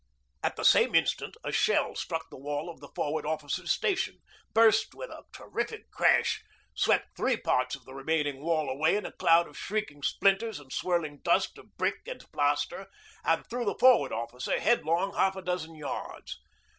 At the same instant a shell struck the wall of the Forward Officer's station, burst with a terrific crash, swept three parts of the remaining wall away in a cloud of shrieking splinters and swirling dust of brick and plaster, and threw the Forward Officer headlong half a dozen yards.